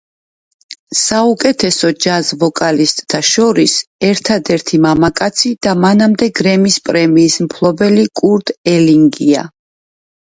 საუკეთესო ჯაზ ვოკალისტთა შორის ერთადერთი მამაკაცი და მანამდე გრემის პრემიის მფლობელი კურტ ელინგია.